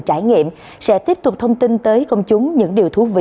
trải nghiệm sẽ tiếp tục thông tin tới công chúng những điều thú vị